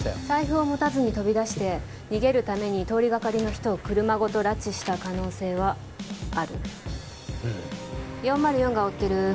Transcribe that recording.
財布を持たずに飛び出して逃げるために通りがかりの人を車ごと拉致した可能性はあるうん４０４が追ってる